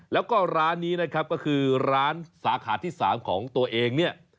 แล้วก็ร้านนี้นะครับก็คือร้านสาขาที่๓ของตัวเองเนี่ย